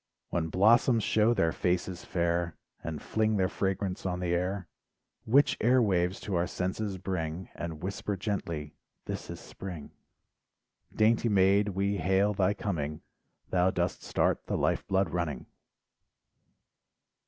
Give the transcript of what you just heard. When blossoms show their faces fair, And fling their fragrance on the air, Which air waves to our senses bring, And whisper gently, "this is Spring." Dainty maid, we hail thy coming, Thou dost start the life blood running.